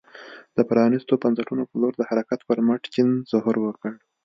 د پرانیستو بنسټونو په لور د حرکت پر مټ چین ظهور وکړ.